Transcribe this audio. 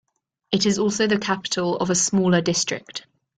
It is also the capital of a smaller district.